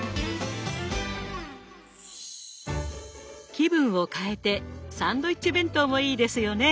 気分を変えてサンドイッチ弁当もいいですよね。